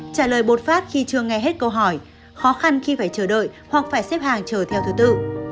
trả lời bột phát khi chưa nghe hết câu hỏi khó khăn khi phải chờ đợi hoặc phải xếp hàng chờ theo thứ tự